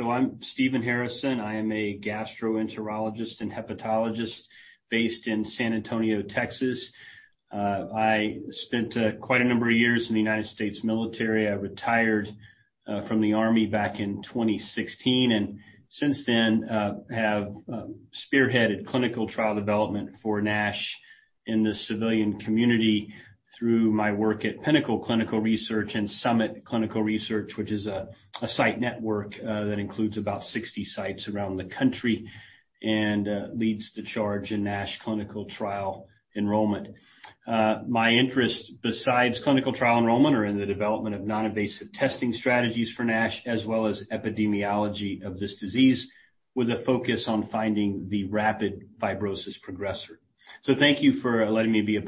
I'm Stephen Harrison. I am a gastroenterologist and hepatologist based in San Antonio, Texas. I spent quite a number of years in the U.S. military. I retired from the Army back in 2016, and since then have spearheaded clinical trial development for NASH in the civilian community through my work at Pinnacle Clinical Research and Summit Clinical Research, which is a site network that includes about 60 sites around the country and leads the charge in NASH clinical trial enrollment. My interests, besides clinical trial enrollment, are in the development of non-invasive testing strategies for NASH, as well as epidemiology of this disease, with a focus on finding the rapid fibrosis progressor. Thank you for letting me be a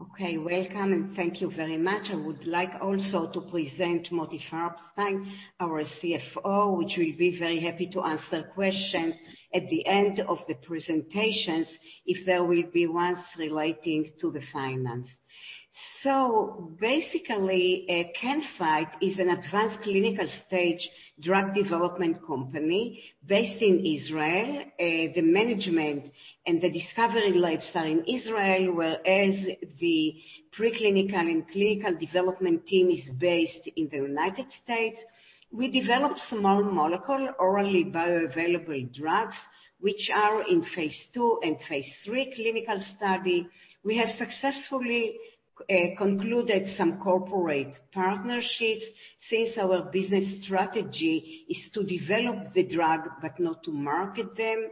part of this meeting today. Welcome, and thank you very much. I would like also to present Motti Farbstein, our CFO, who will be very happy to answer questions at the end of the presentations if there will be ones relating to the finance. Basically, Can-Fite is an advanced clinical-stage drug development company based in Israel. The management and the discovery labs are in Israel, whereas the preclinical and clinical development team is based in the U.S. We develop small molecule orally bioavailable drugs, which are in Phase II and Phase III clinical study. We have successfully concluded some corporate partnerships since our business strategy is to develop the drug, but not to market them.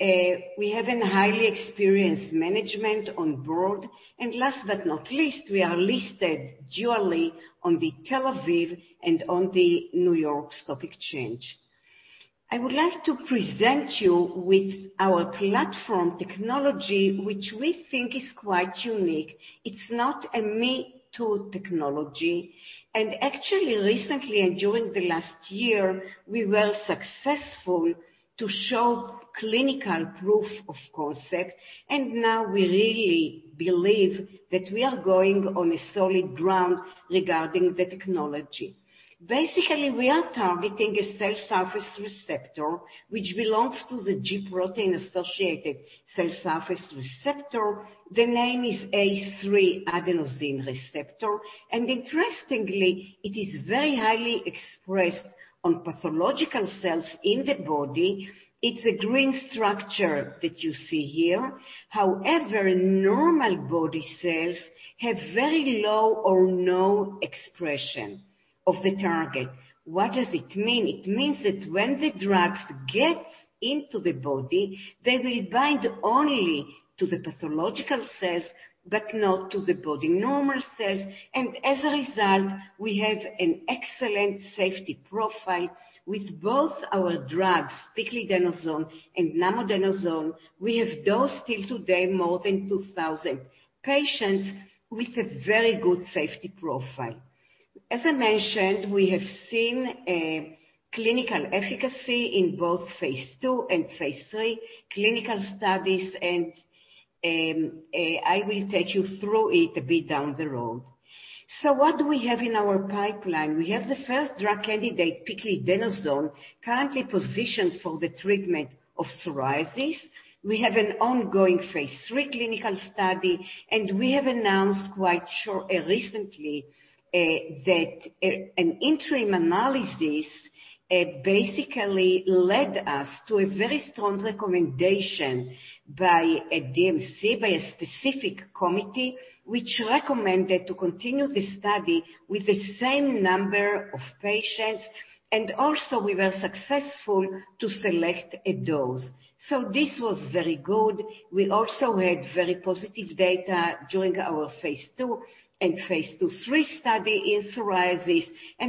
We have a highly experienced management on board. Last but not least, we are listed dually on the Tel Aviv and on the New York Stock Exchange. I would like to present you with our platform technology, which we think is quite unique. It's not a me-too technology. Actually, recently and during the last year, we were successful to show clinical proof of concept, and now we really believe that we are going on a solid ground regarding the technology. Basically, we are targeting a cell surface receptor, which belongs to the G protein-coupled cell surface receptor. The name is A3 adenosine receptor, and interestingly, it is very highly expressed on pathological cells in the body. It's a green structure that you see here. However, normal body cells have very low or no expression of the target. What does it mean? It means that when the drugs get into the body, they will bind only to the pathological cells, but not to the body normal cells. As a result, we have an excellent safety profile with both our drugs, piclidenoson and namodenoson. We have dosed till today more than 2,000 patients with a very good safety profile. As I mentioned, we have seen a clinical efficacy in both phase II and phase III clinical studies, and I will take you through it a bit down the road. What do we have in our pipeline? We have the first drug candidate, piclidenoson, currently positioned for the treatment of psoriasis. We have an ongoing phase III clinical study, and we have announced quite recently that an interim analysis basically led us to a very strong recommendation by a DMC, by a specific committee, which recommended to continue the study with the same number of patients. Also we were successful to select a dose. This was very good. We also had very positive data during our phase II and phase II/III study in psoriasis.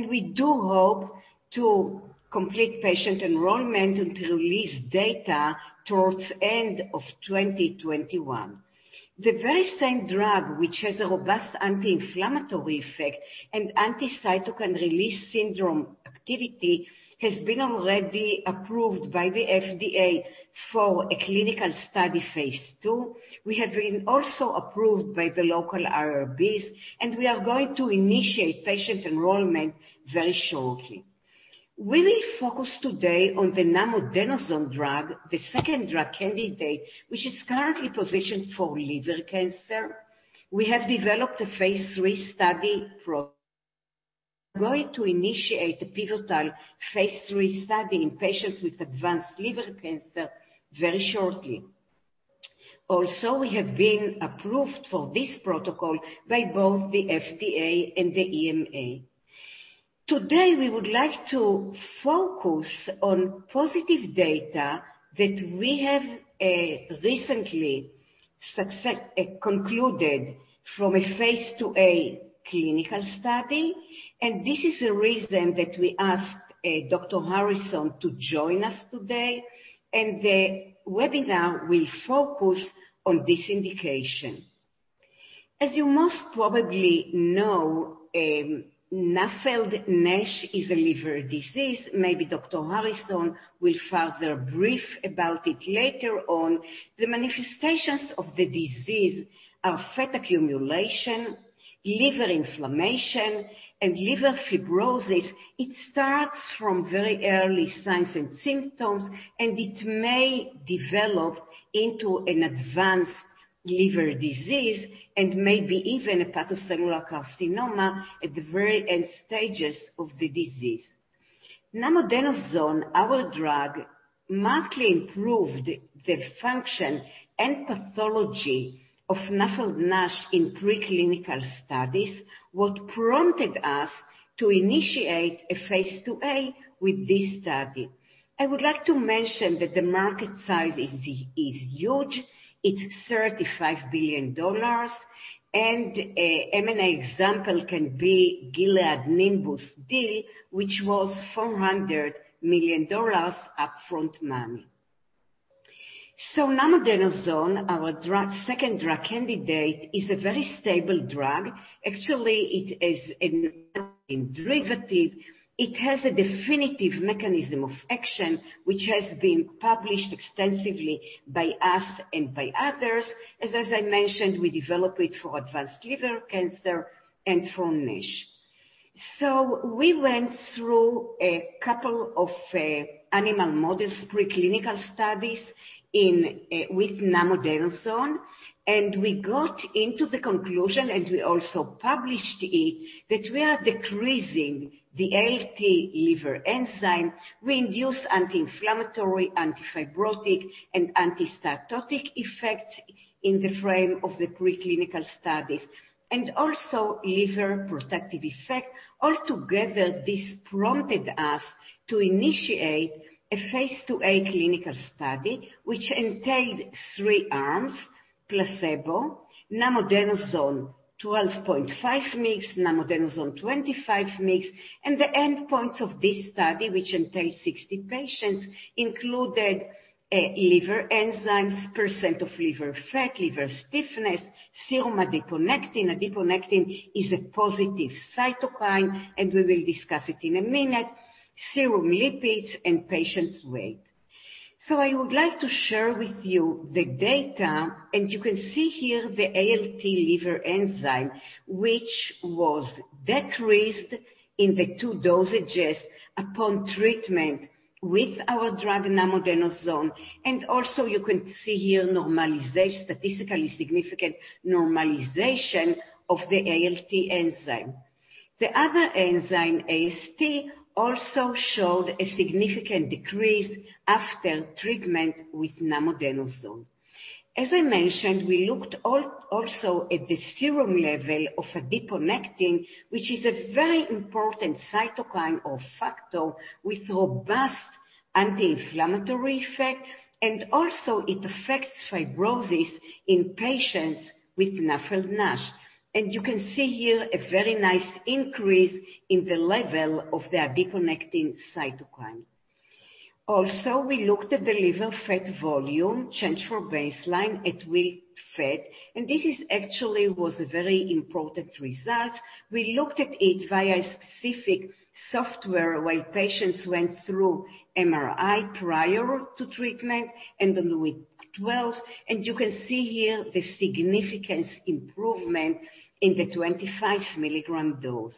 We do hope to complete patient enrollment and to release data towards end of 2021. The very same drug, which has a robust anti-inflammatory effect and anti-cytokine release syndrome activity, has been already approved by the FDA for a clinical study phase II. We have been also approved by the local IRBs. We are going to initiate patient enrollment very shortly. We will focus today on the namodenoson drug, the second drug candidate, which is currently positioned for liver cancer. We have developed a phase III study going to initiate a pivotal phase III study in patients with advanced liver cancer very shortly. We have been approved for this protocol by both the FDA and the EMA. Today, we would like to focus on positive data that we have recently concluded from a phase IIa clinical study, and this is the reason that we asked Dr. Harrison to join us today, and the webinar will focus on this indication. As you most probably know, NASH is a liver disease. Maybe Dr. Harrison will further brief about it later on. The manifestations of the disease are fat accumulation, liver inflammation, and liver fibrosis. It starts from very early signs and symptoms. It may develop into an advanced liver disease and maybe even hepatocellular carcinoma at the very end stages of the disease. Namodenoson, our drug, markedly improved the function and pathology of NAFLD/NASH in preclinical studies, what prompted us to initiate a phase IIa with this study. I would like to mention that the market size is huge. It's $35 billion. M&A example can be Gilead-Nimbus deal, which was $400 million upfront money. namodenoson, our second drug candidate, is a very stable drug. Actually, it is a derivative. It has a definitive mechanism of action, which has been published extensively by us and by others. As I mentioned, we develop it for advanced liver cancer and for NASH. We went through a couple of animal models, preclinical studies with namodenoson, and we got into the conclusion, and we also published it, that we are decreasing the ALT liver enzyme. We induce anti-inflammatory, anti-fibrotic, and anti-steatotic effects in the frame of the preclinical studies, and also liver protective effect. Altogether, this prompted us to initiate a phase IIa clinical study, which entailed three arms, placebo, namodenoson 12.5 mg, namodenoson 25 mg. The endpoints of this study, which entails 60 patients, included liver enzymes, % of liver fat, liver stiffness, serum adiponectin, serum lipids and patient's weight. Adiponectin is a positive cytokine. We will discuss it in a minute. I would like to share with you the data. You can see here the ALT liver enzyme, which was decreased in the two dosages upon treatment with our drug, namodenoson. Also you can see here statistically significant normalization of the ALT enzyme. The other enzyme, AST, also showed a significant decrease after treatment with namodenoson. As I mentioned, we looked also at the serum level of adiponectin, which is a very important cytokine or factor with robust anti-inflammatory effect, and also it affects fibrosis in patients with NAFLD/NASH. You can see here a very nice increase in the level of the adiponectin cytokine. We looked at the liver fat volume change from baseline at week 12, and this actually was a very important result. We looked at it via specific software while patients went through MRI prior to treatment and on week 12, and you can see here the significant improvement in the 25 milligram dose.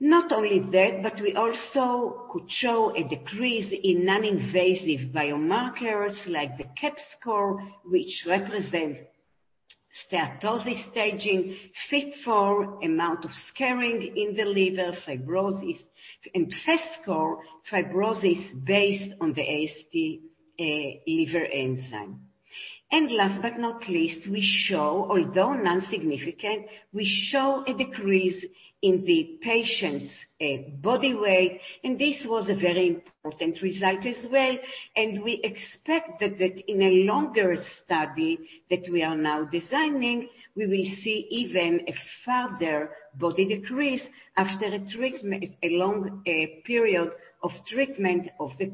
Not only that, we also could show a decrease in non-invasive biomarkers like the CAP score, which represents steatosis staging, FIB-4, amount of scarring in the liver, fibrosis, and FIB-4 score, fibrosis based on the AST liver enzyme. Last but not least, we show, although non-significant, we show a decrease in the patient's body weight, and this was a very important result as well, and we expect that in a longer study that we are now designing, we will see even a further body decrease after a long period of treatment of the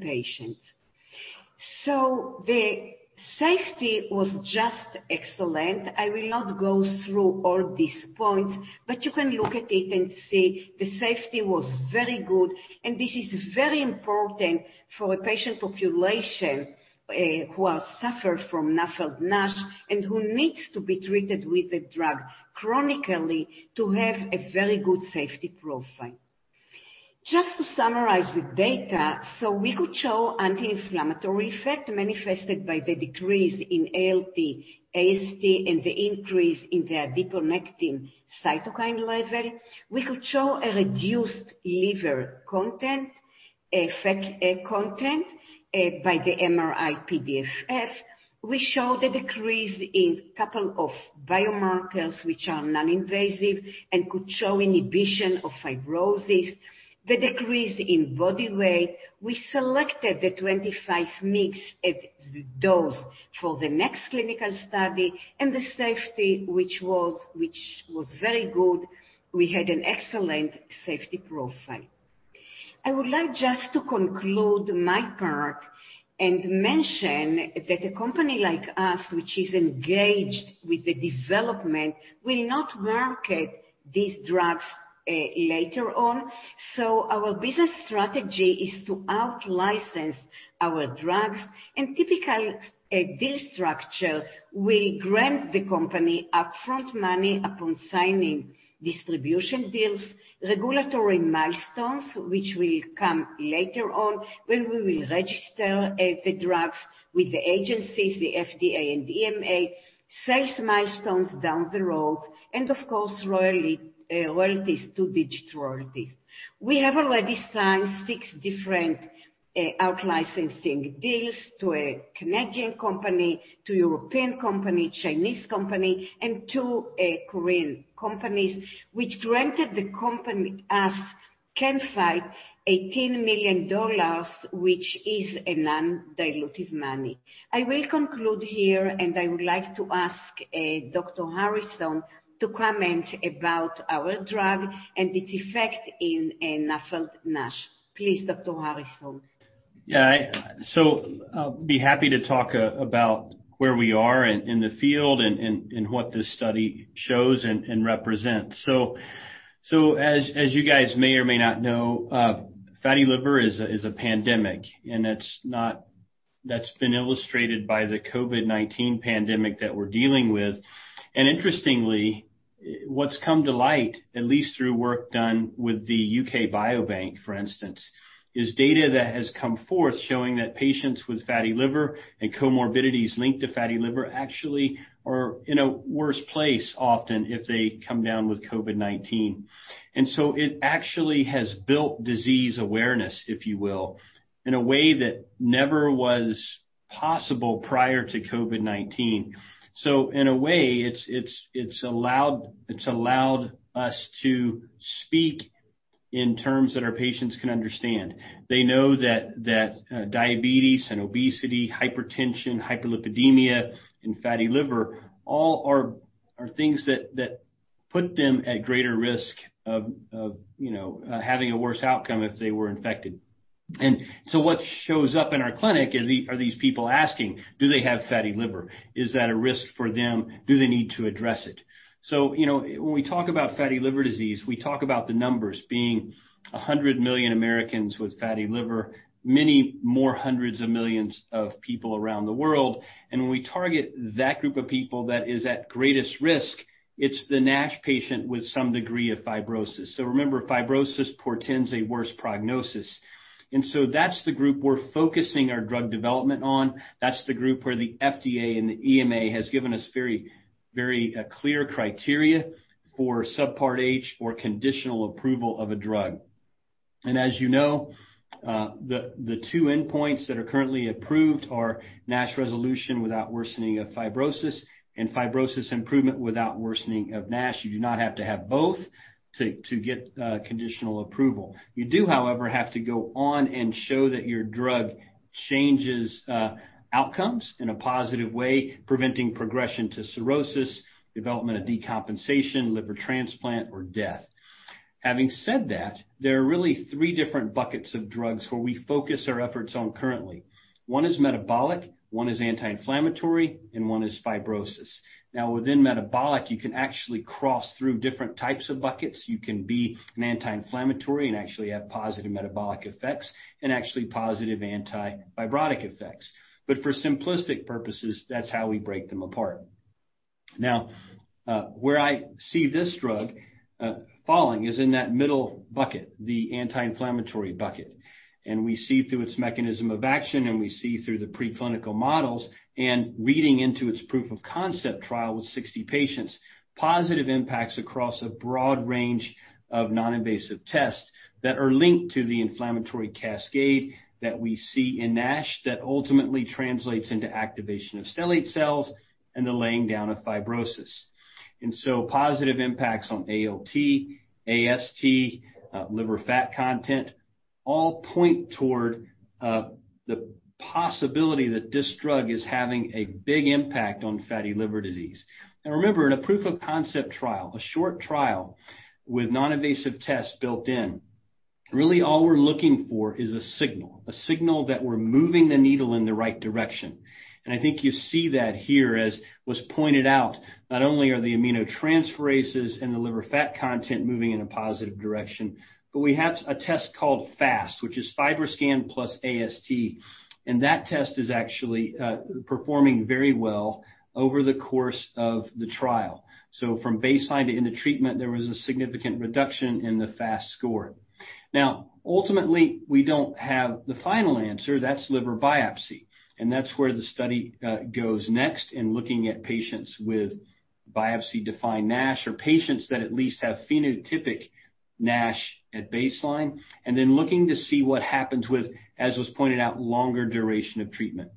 patient. The safety was just excellent. I will not go through all these points, but you can look at it and see the safety was very good, and this is very important for a patient population who suffer from NAFLD/NASH and who needs to be treated with a drug chronically to have a very good safety profile. Just to summarize the data, so we could show anti-inflammatory effect manifested by the decrease in ALT, AST, and the increase in the adiponectin cytokine level. We could show a reduced liver content, fat content, by the MRI-PDFF. We show the decrease in couple of biomarkers which are non-invasive and could show inhibition of fibrosis. The decrease in body weight. We selected the 25 mg as the dose for the next clinical study, and the safety, which was very good. We had an excellent safety profile. I would like just to conclude my part and mention that a company like us, which is engaged with the development, will not market these drugs later on. Our business strategy is to out-license our drugs, and typically, a deal structure will grant the company upfront money upon signing distribution deals, regulatory milestones, which will come later on when we will register the drugs with the agencies, the FDA and EMA, sales milestones down the road, and of course, two-digit royalties. We have already signed six different out-licensing deals to a Canadian company, to a European company, a Chinese company, and two Korean companies, which granted the company, us, Can-Fite, $18 million, which is non-dilutive money. I will conclude here, and I would like to ask Dr. Stephen Harrison to comment about our drug and its effect in NAFLD NASH. Please, Dr. Stephen Harrison. Yeah. I'll be happy to talk about where we are in the field and what this study shows and represents. As you guys may or may not know, fatty liver is a pandemic, and that's been illustrated by the COVID-19 pandemic that we're dealing with. Interestingly, what's come to light, at least through work done with the U.K. Biobank, for instance, is data that has come forth showing that patients with fatty liver and comorbidities linked to fatty liver actually are in a worse place often if they come down with COVID-19. It actually has built disease awareness, if you will, in a way that never was possible prior to COVID-19. In a way, it's allowed us to speak in terms that our patients can understand. They know that diabetes and obesity, hypertension, hyperlipidemia, and fatty liver all are things that put them at greater risk of having a worse outcome if they were infected. What shows up in our clinic are these people asking, do they have fatty liver? Is that a risk for them? Do they need to address it? When we talk about fatty liver disease, we talk about the numbers being 100 million Americans with fatty liver, many more hundreds of millions of people around the world. When we target that group of people that is at greatest risk, it's the NASH patient with some degree of fibrosis. Remember, fibrosis portends a worse prognosis. That's the group we're focusing our drug development on. That's the group where the FDA and the EMA has given us very clear criteria for Subpart H or conditional approval of a drug. As you know, the two endpoints that are currently approved are NASH resolution without worsening of fibrosis and fibrosis improvement without worsening of NASH. You do not have to have both to get conditional approval. You do, however, have to go on and show that your drug changes outcomes in a positive way, preventing progression to cirrhosis, development of decompensation, liver transplant, or death. Having said that, there are really three different buckets of drugs where we focus our efforts on currently. One is metabolic, one is anti-inflammatory, and one is fibrosis. Now, within metabolic, you can actually cross through different types of buckets. You can be an anti-inflammatory and actually have positive metabolic effects and actually positive anti-fibrotic effects. For simplistic purposes, that's how we break them apart. Now, where I see this drug falling is in that middle bucket, the anti-inflammatory bucket. We see through its mechanism of action and we see through the pre-clinical models and reading into its proof of concept trial with 60 patients, positive impacts across a broad range of non-invasive tests that are linked to the inflammatory cascade that we see in NASH that ultimately translates into activation of stellate cells and the laying down of fibrosis. So positive impacts on ALT, AST, liver fat content, all point toward the possibility that this drug is having a big impact on fatty liver disease. Now remember, in a proof of concept trial, a short trial with non-invasive tests built in, really all we're looking for is a signal, a signal that we're moving the needle in the right direction. I think you see that here, as was pointed out. Not only are the aminotransferases and the liver fat content moving in a positive direction, but we have a test called FAST, which is FibroScan + AST, and that test is actually performing very well over the course of the trial. From baseline to end of treatment, there was a significant reduction in the FAST score. Now, ultimately, we don't have the final answer. That's liver biopsy, and that's where the study goes next in looking at patients with biopsy-defined NASH or patients that at least have phenotypic NASH at baseline, and then looking to see what happens with, as was pointed out, longer duration of treatment.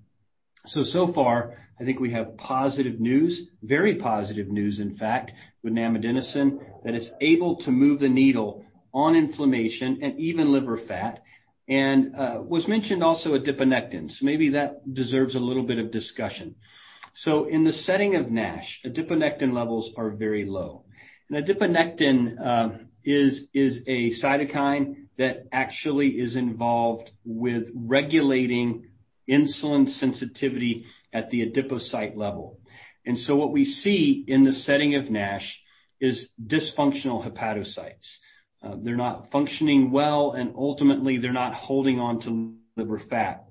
So far, I think we have positive news, very positive news, in fact, with namodenoson, that it's able to move the needle on inflammation and even liver fat. Was mentioned also adiponectins. Maybe that deserves a little bit of discussion. In the setting of NASH, adiponectin levels are very low. Adiponectin is a cytokine that actually is involved with regulating insulin sensitivity at the adipocyte level. What we see in the setting of NASH is dysfunctional hepatocytes. They're not functioning well, and ultimately, they're not holding onto liver fat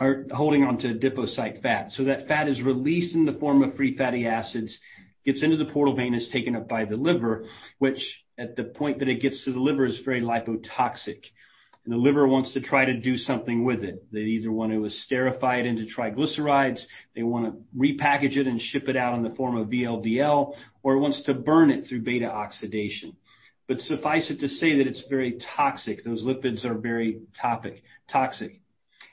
or holding onto adipocyte fat. That fat is released in the form of free fatty acids, gets into the portal vein, is taken up by the liver, which at the point that it gets to the liver is very lipotoxic, and the liver wants to try to do something with it. They either want to esterify it into triglycerides, they want to repackage it and ship it out in the form of VLDL, or it wants to burn it through beta oxidation. Suffice it to say that it's very toxic. Those lipids are very toxic.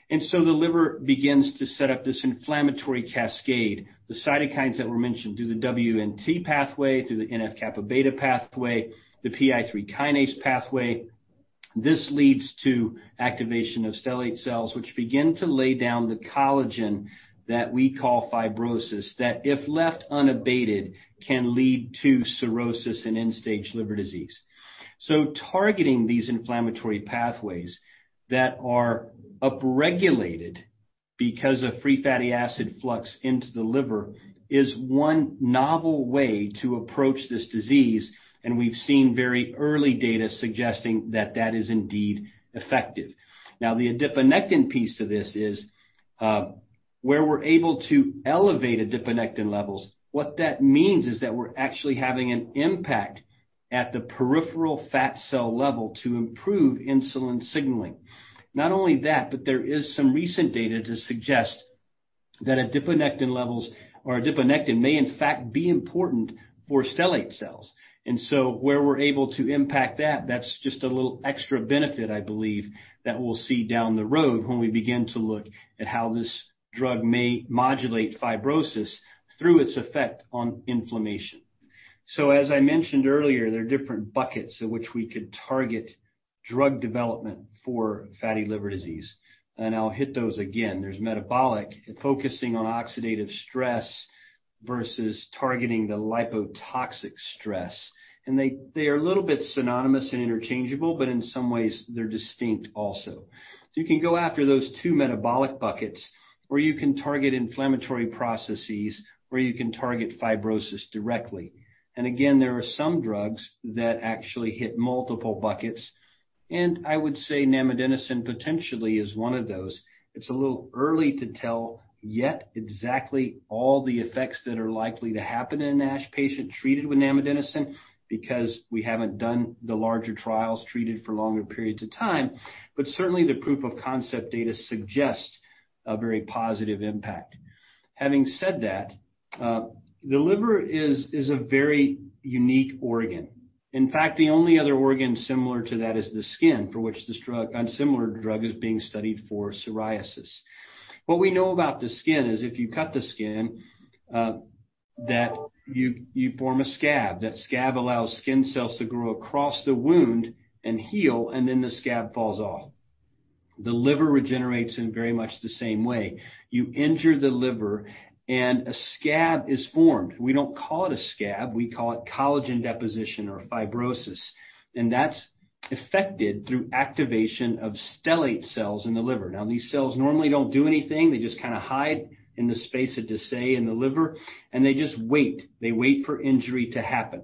The liver begins to set up this inflammatory cascade. The cytokines that were mentioned through the Wnt pathway, through the NF-κB pathway, the PI3K pathway. This leads to activation of stellate cells, which begin to lay down the collagen that we call fibrosis, that, if left unabated, can lead to cirrhosis and end-stage liver disease. Targeting these inflammatory pathways that are upregulated because of free fatty acid flux into the liver is one novel way to approach this disease, and we've seen very early data suggesting that that is indeed effective. Now, the adiponectin piece to this is, where we're able to elevate adiponectin levels, what that means is that we're actually having an impact at the peripheral fat cell level to improve insulin signaling. Not only that, but there is some recent data to suggest that adiponectin may in fact be important for stellate cells. Where we're able to impact that's just a little extra benefit, I believe, that we'll see down the road when we begin to look at how this drug may modulate fibrosis through its effect on inflammation. As I mentioned earlier, there are different buckets at which we could target drug development for fatty liver disease, and I'll hit those again. There's metabolic, focusing on oxidative stress versus targeting the lipotoxic stress. They are a little bit synonymous and interchangeable, but in some ways, they're distinct also. You can go after those two metabolic buckets, or you can target inflammatory processes, or you can target fibrosis directly. Again, there are some drugs that actually hit multiple buckets, and I would say namodenoson potentially is one of those. It's a little early to tell yet exactly all the effects that are likely to happen in a NASH patient treated with namodenoson because we haven't done the larger trials treated for longer periods of time. Certainly, the proof of concept data suggests a very positive impact. Having said that, the liver is a very unique organ. In fact, the only other organ similar to that is the skin, for which a similar drug is being studied for psoriasis. What we know about the skin is if you cut the skin, that you form a scab. That scab allows skin cells to grow across the wound and heal, then the scab falls off. The liver regenerates in very much the same way. You injure the liver, a scab is formed. We don't call it a scab. We call it collagen deposition or fibrosis, that's affected through activation of stellate cells in the liver. Now, these cells normally don't do anything. They just kind of hide in the space of Disse in the liver, they just wait. They wait for injury to happen.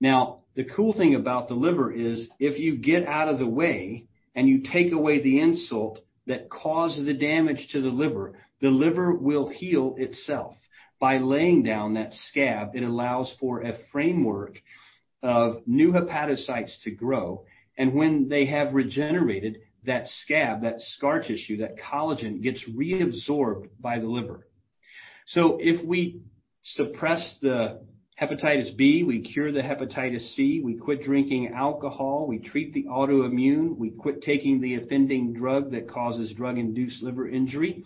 Now, the cool thing about the liver is if you get out of the way and you take away the insult that causes the damage to the liver, the liver will heal itself. By laying down that scab, it allows for a framework of new hepatocytes to grow. When they have regenerated, that scab, that scar tissue, that collagen, gets reabsorbed by the liver. If we suppress the hepatitis B, we cure the hepatitis C, we quit drinking alcohol, we treat the autoimmune, we quit taking the offending drug that causes drug-induced liver injury,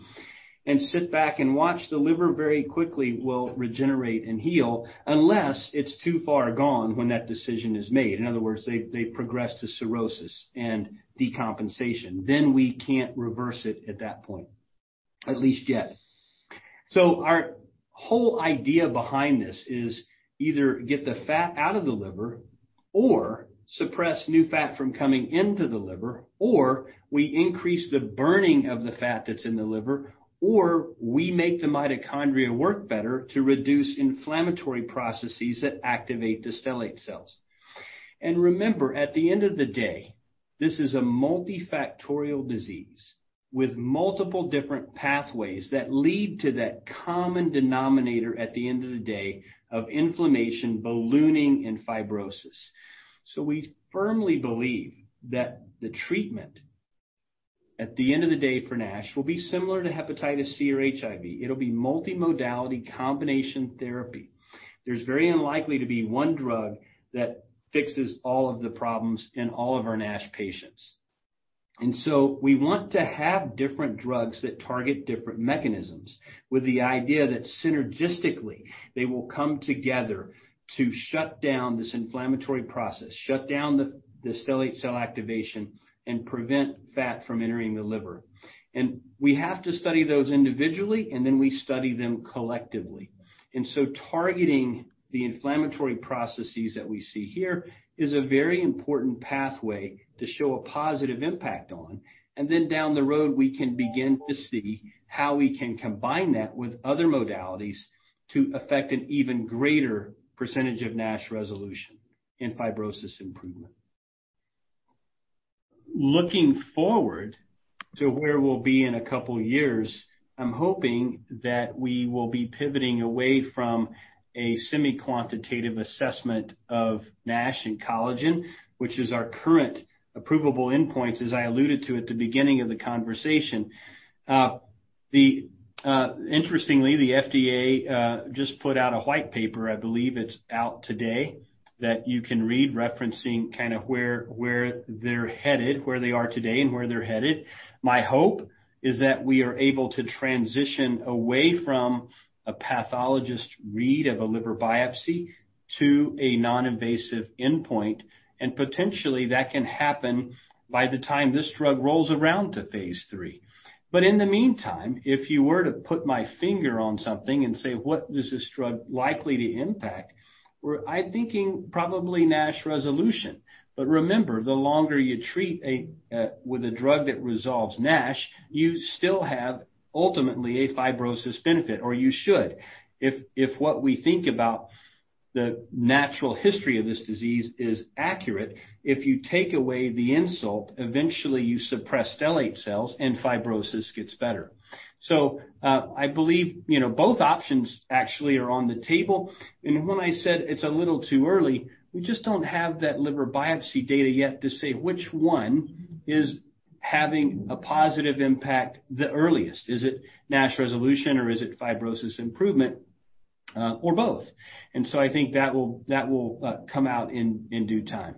and sit back and watch, the liver very quickly will regenerate and heal, unless it's too far gone when that decision is made. In other words, they progress to cirrhosis and decompensation. We can't reverse it at that point, at least yet. Our whole idea behind this is either get the fat out of the liver or suppress new fat from coming into the liver, or we increase the burning of the fat that's in the liver, or we make the mitochondria work better to reduce inflammatory processes that activate the stellate cells. Remember, at the end of the day, this is a multifactorial disease with multiple different pathways that lead to that common denominator at the end of the day of inflammation ballooning and fibrosis. We firmly believe that the treatment at the end of the day for NASH will be similar to Hepatitis C or HIV. It'll be multimodality combination therapy. There's very unlikely to be one drug that fixes all of the problems in all of our NASH patients. We want to have different drugs that target different mechanisms with the idea that synergistically, they will come together to shut down this inflammatory process, shut down the stellate cell activation, and prevent fat from entering the liver. We have to study those individually, and then we study them collectively. Targeting the inflammatory processes that we see here is a very important pathway to show a positive impact on. Then down the road, we can begin to see how we can combine that with other modalities to affect an even greater percentage of NASH resolution and fibrosis improvement. Looking forward to where we'll be in a couple of years, I'm hoping that we will be pivoting away from a semi-quantitative assessment of NASH and collagen, which is our current approvable endpoint, as I alluded to at the beginning of the conversation. Interestingly, the FDA just put out a white paper, I believe it's out today, that you can read, referencing where they are today and where they're headed. My hope is that we are able to transition away from a pathologist read of a liver biopsy to a non-invasive endpoint, and potentially that can happen by the time this drug rolls around to phase III. In the meantime, if you were to put my finger on something and say, "What is this drug likely to impact?" I'm thinking probably NASH resolution. Remember, the longer you treat with a drug that resolves NASH, you still have ultimately a fibrosis benefit, or you should. If what we think about the natural history of this disease is accurate, if you take away the insult, eventually you suppress stellate cells, and fibrosis gets better. I believe both options actually are on the table. When I said it's a little too early, we just don't have that liver biopsy data yet to say which one is having a positive impact the earliest. Is it NASH resolution, or is it fibrosis improvement, or both? I think that will come out in due time